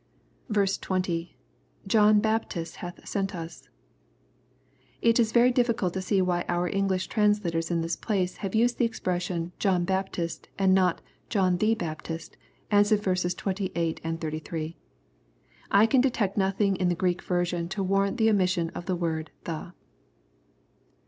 20. — {John Baptist hath sent ils.] It is very difficult to see why our English translators in this place have used the expression " John Baptist," and not " John flie Baptist," as at verses 28 and 33. I can detect nothing in the Greek version, to warrant the omission of the word " the."